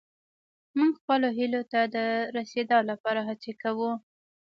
موږ خپلو هيلو ته د رسيدا لپاره هڅې کوو.